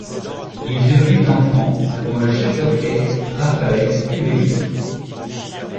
Ils eurent huit enfants, dont le chef d’orchestre Rafael Kubelík.